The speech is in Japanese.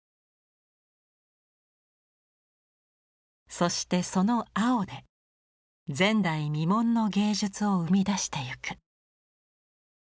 そしてその青で前代未聞の芸術を生み出していく。